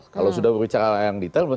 kalau sudah berbicara yang detail